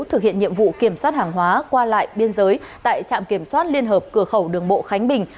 thực hiện nhiệm vụ kiểm soát hàng hóa qua lại biên giới tại trạm kiểm soát liên hợp cửa khẩu đường bộ khánh bình